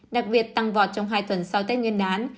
đặc biệt tăng vọt trong hai tuần sau tết nguyên đán